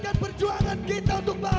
jauh tak terbayang